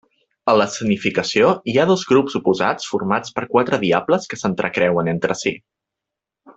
A l'escenificació, hi ha dos grups oposats formats per quatre diables, que s'entrecreuen entre si.